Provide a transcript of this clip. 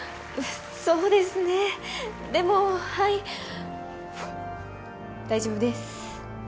そうですねでもはい大丈夫です！